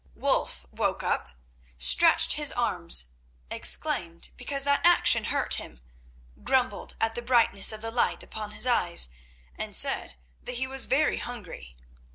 Wulf woke up, stretched his arms, exclaimed because that action hurt him, grumbled at the brightness of the light upon his eyes, and said that he was very hungry.